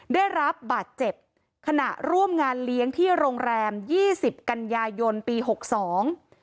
ได้รับบาดเจ็บขณะร่วมงานเลี้ยงที่โรงแรมยี่สิบกันยายนปีหกสอง